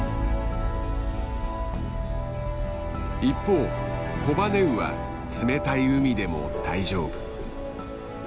一方コバネウは冷たい海でも大丈夫。